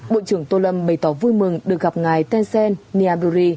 bộ trưởng tô lâm bày tỏ vui mừng được gặp ngài tân sên niêm đô ri